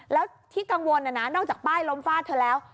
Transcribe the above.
แล้วที่กังวลนะนะนอกจากป้ายล้มฟาดเธอแล้ว